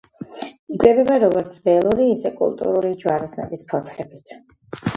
იკვებება როგორც ველური, ისე კულტურული ჯვაროსნების ფოთლებით.